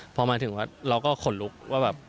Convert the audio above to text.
พอมาถึงวัดเราก็ขนลุกว่าแบบ